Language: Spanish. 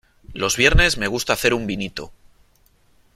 Los viernes me gusta hacer un vinito.